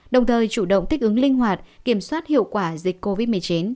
đồng thời chủ động thích ứng linh hoạt kiểm soát hiệu quả dịch covid một mươi chín